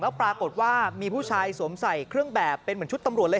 ปรากฏว่ามีผู้ชายสวมใส่เครื่องแบบเป็นเหมือนชุดตำรวจเลย